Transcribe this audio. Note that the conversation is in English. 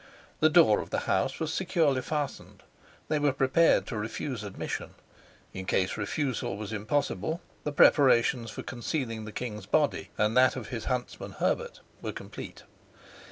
The door of the house was securely fastened; they were prepared to refuse admission; in case refusal was impossible, the preparations for concealing the king's body and that of his huntsman Herbert were complete.